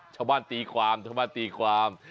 ชาวบ้านตีความ